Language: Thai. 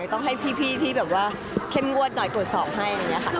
ต้องให้พี่ที่เข้มงวดหน่อยกดส่องให้